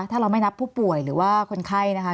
ถ้าเราไม่นับผู้ป่วยหรือว่าคนไข้นะคะ